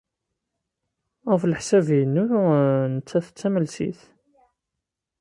Ɣef leḥsab-inu, nettat d tamelsit.